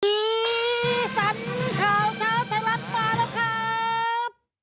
สีสันข่าวเช้าไทยรัฐมาแล้วครับ